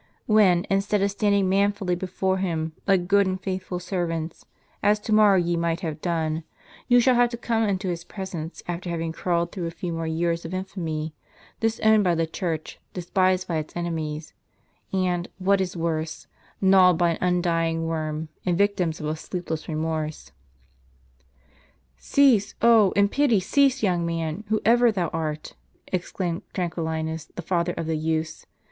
When, instead of standing manfully before Him, like good and faith ful servants, as to morrow ye might have done, you shall have to come into His presence after having crawled through a few more years of infamy, disowned by the Church, despised by its enemies, and, what is worse, gnawed by an undying worm, and victims of a sleepless remorse? "" Cease ; oh, in pity cease, young man, whoever thou art," exclaimed Tranquillinus, the father of the youths.